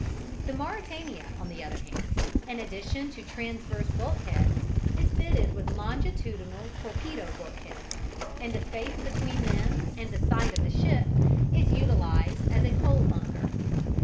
The Mauretania, on the other hand, in addition to transverse bulkheads, is fitted with longitudinal torpedo bulkheads, and the space between them and the side of the ship is utilised as a coal bunker.